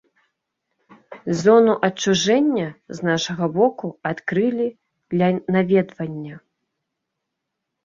Зону адчужэння з нашага боку адкрылі для наведвання.